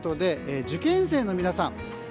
受験生の皆さん